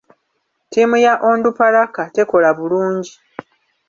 Ttiimu ya Onduparaka tekola bulungi.